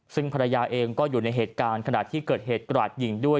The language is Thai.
ซึ่งภรรยาเองก็อยู่ในเหตุการณ์ขณะที่เกิดเหตุกราดยิงด้วย